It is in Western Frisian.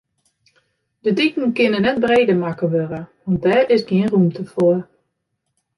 De diken kinne net breder makke wurde, want dêr is gjin rûmte foar.